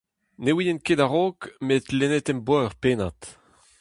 Ne ouien ket a-raok, met lennet em boa ur pennad.